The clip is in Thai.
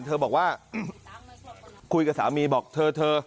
เธอบอกว่าคุยกับสามีบอกเธอ